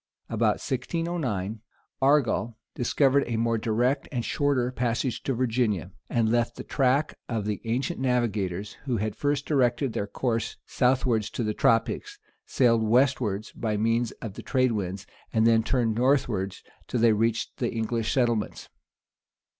About 1609, Argal discovered a more direct and shorter passage to Virginia, and left the track of the ancient navigators, who had first directed their course southwards to the tropic, sailed westward by means of the trade winds, and then turned northward, till they reached the English settlements.